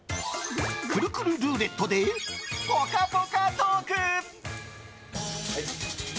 くるくるルーレットでぽかぽかトーク！